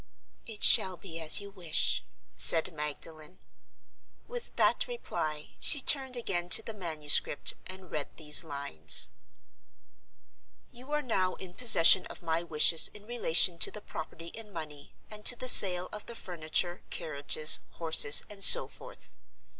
"It shall be as you wish," said Magdalen. With that reply, she turned again to the manuscript and read these lines: ".... You are now in possession of my wishes in relation to the property in money, and to the sale of the furniture, carriages, horses, and so forth.